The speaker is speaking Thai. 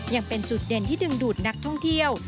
ยังเป็นจุดเด่นที่ดึงดูดนักท่องเที่ยว